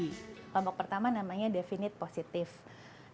kelompok pertama namanya definite positive